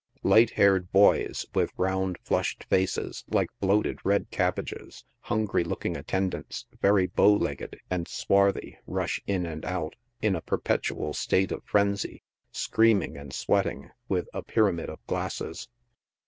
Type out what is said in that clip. Light haired boys, with round, flushed faces, like bloated red cabbages ; hungry looking attendants, very bow legged and swarthy, rush in and out, in a perpetual state of frenzy, screaming and sweating, with a pyramid cf glasses.